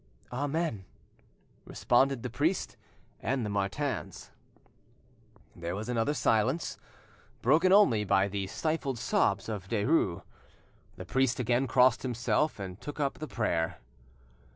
"Amen," responded the priest and the Martins. There was another silence, broken only by the stifled sobs of Derues. The priest again crossed himself and took up the prayer.